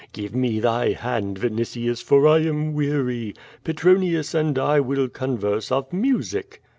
Give me thy hand, Vinitius, for I am weary. Petronius and I will converse of music."